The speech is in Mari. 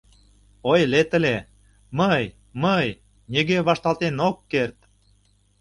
— Ойлет ыле — «мый, мый, нигӧ вашталтен ок керт!»